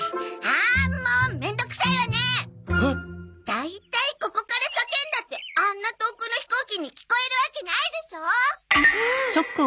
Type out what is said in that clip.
大体ここから叫んだってあんな遠くの飛行機に聞こえるわけないでしょ！